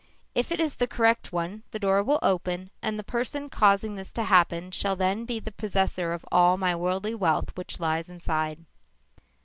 If it is the correct one, the door will open and the person causing this to happen shall then be the possessor of all my worldly wealth which lies inside.